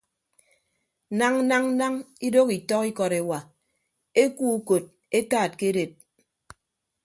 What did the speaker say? Nañ nañ nañ idooho itọk ikọt ewa ekuo ukot etaat ke edet.